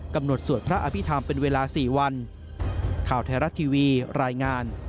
กำหนดสวดพระอภิษฐามเป็นเวลา๔วัน